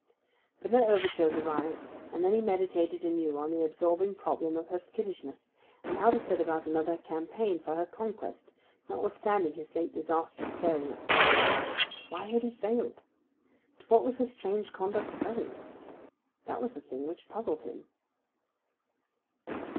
But no overtures arrived, and then he meditated anew on the absorbing problem of her skittishness, and how to set about another campaign for her conquest, notwithstanding his late disastrous failure. Why had he failed? To what was her strange conduct owing? That was the thing which puzzled him.